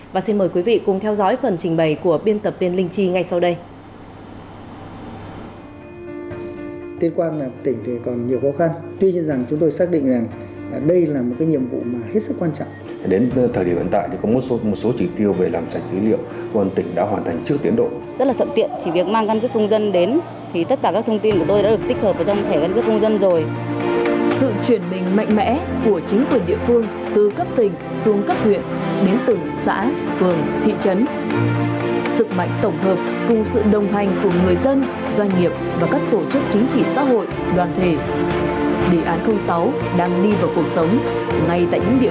và xin mời quý vị cùng theo dõi phần trình bày của biên tập viên linh chi ngay sau đây